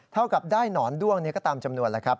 เท่ากับได้หนอนด้วงนี้ก็ตามจำนวนแล้วครับ